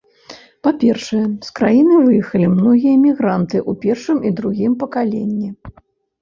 Па-першае, з краіны выехалі многія мігранты ў першым і другім пакаленні.